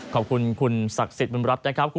ขอบคุณคุณศักดิ์สิทธิบุญรัฐนะครับ